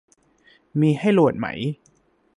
มีให้โหลดไหม